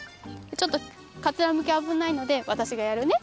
ちょっとかつらむきあぶないのでわたしがやるね。